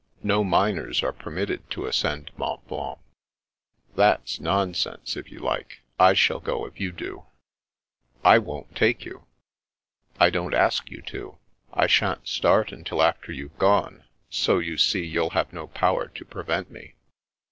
No minors are permitted to ascend Mont Blanc." " Thafs nonsense, if you like ! I shall go if you do." " I won't take you." " I don't ask you to. I shan't start until after you've gone, so, you see, you'll have no power to pre vent me."